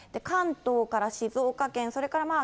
関東から静岡県、それから